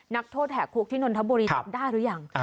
นักโทษแห่คุกที่นนทบุรีจำได้หรือยัง